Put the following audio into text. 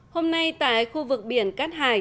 hôm nay tại khu vực biển cát hải